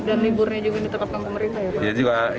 dan liburnya juga ditekapkan ke mereka ya